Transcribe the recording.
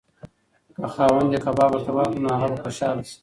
که خاوند یې کباب ورته واخلي نو هغه به خوشحاله شي.